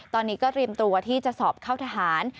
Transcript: ตอนนี้ก็เตรียมตัวที่จะสอบเข้าทหาร